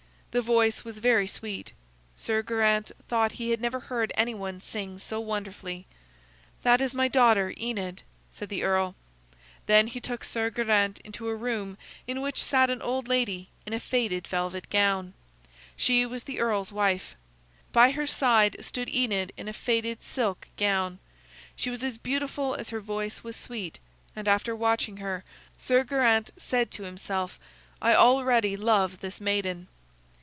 The voice was very sweet. Sir Geraint thought he had never heard anyone sing so wonderfully. "That is my daughter Enid," said the earl. Then he took Sir Geraint into a room in which sat an old lady in a faded velvet gown. She was the earl's wife. By her side stood Enid in a faded silk gown. She was as beautiful as her voice was sweet, and after watching her, Sir Geraint said to himself: "I already love this maiden."